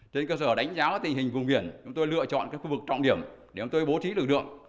trên cơ sở đánh giá tình hình vùng biển chúng tôi lựa chọn khu vực trọng điểm để chúng tôi bố trí lực lượng